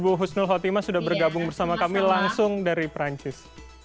bu husnul khotimah sudah bergabung bersama kami langsung dari perancis